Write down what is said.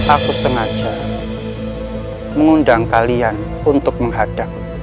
aku sengaja mengundang kalian untuk menghadang